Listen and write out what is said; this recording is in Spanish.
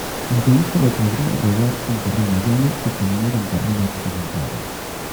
El vehículo podría rodar en terreno llano y caminar en terreno accidentado.